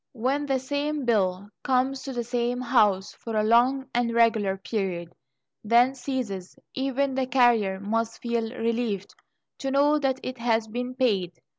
When the same bill comes to the same house for a long and regular period, then ceases, even the carrier must feel relieved to know that it has been paid.